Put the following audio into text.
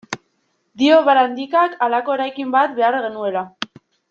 Dio Barandikak, halako eraikin bat behar genuela.